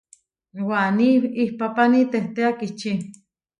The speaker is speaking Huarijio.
Waní ihpápani tehté akičí.